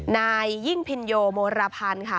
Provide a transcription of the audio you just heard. นายยิ่งพินโยโมรพันธ์ค่ะ